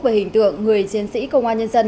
về hình tượng người chiến sĩ công an nhân dân